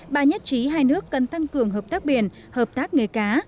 bà nhất trí hai nước cần tăng cường hợp tác biển hợp tác nghề cá